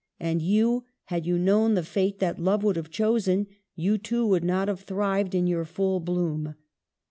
And you, had you known the fate that love would have chosen, you too would not have thrived in your full bloom.